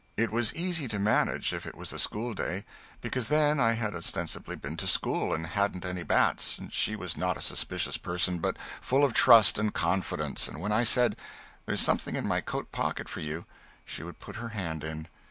It was easy to manage if it was a school day, because then I had ostensibly been to school and hadn't any bats. She was not a suspicious person, but full of trust and confidence; and when I said "There's something in my coat pocket for you," she would put her hand in.